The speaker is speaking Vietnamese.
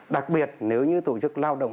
đặc biệt nếu như tổ chức lao động